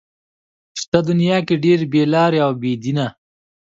شته دنيا کې ډېر بې لارې او بې دينه